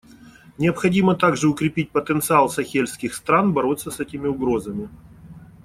Необходимо также укрепить потенциал сахельских стран бороться с этими угрозами.